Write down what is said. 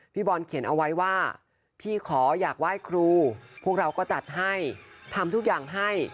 พี่บอลเขียนเอาไว้ว่าพี่ขออยากไหว้ครูพวกเราก็จัดให้ทำทุกอย่างให้